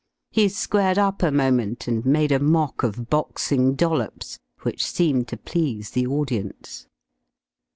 He squared up a moment and made a mock of boxing Dollops which seemed to please the audience.